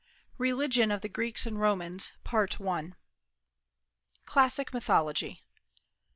RELIGION OF THE GREEKS AND ROMANS. CLASSIC MYTHOLOGY.